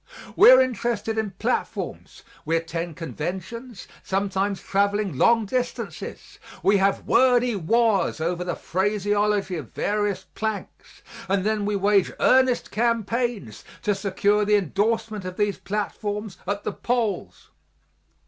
We are interested in platforms; we attend conventions, sometimes traveling long distances; we have wordy wars over the phraseology of various planks, and then we wage earnest campaigns to secure the endorsement of these platforms at the polls.